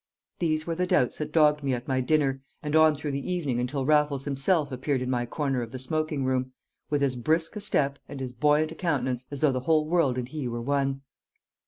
These were the doubts that dogged me at my dinner, and on through the evening until Raffles himself appeared in my corner of the smoking room, with as brisk a step and as buoyant a countenance as though the whole world and he were one.